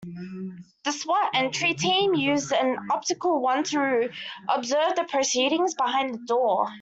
The S.W.A.T. entry team used an optical wand to observe the proceedings behind the door.